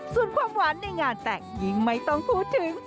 ส่วนความหวานในงานแต่งยิ่งไม่ต้องพูดถึง